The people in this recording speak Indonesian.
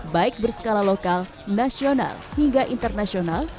baik berskala lokal nasional hingga internasional